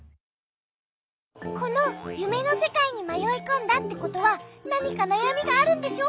このゆめのせかいにまよいこんだってことはなにかなやみがあるんでしょ？